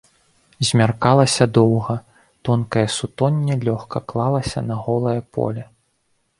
Змяркалася доўга, тонкае сутонне лёгка клалася на голае поле.